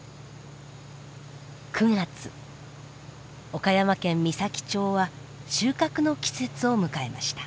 岡山県美咲町は収穫の季節を迎えました。